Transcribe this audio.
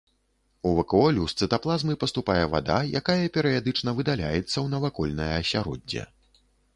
У вакуолю з цытаплазмы паступае вада, якая перыядычна выдаляецца ў навакольнае асяроддзе.